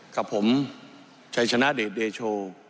กับผมชัยชนะเดชเดโช